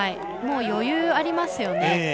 もう余裕ありますよね。